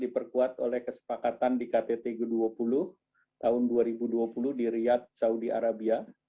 dan diperkuat oleh kesepakatan di ktt g dua puluh tahun dua ribu dua puluh di riyadh saudi arabia